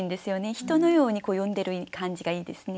人のように呼んでる感じがいいですね。